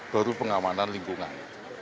baru pengamanan lingkungan